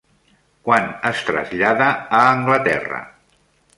Quan es trasllada a Anglaterra?